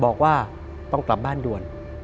บอกว่าต้องกลับบ้านด่วน